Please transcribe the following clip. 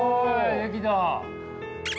できた！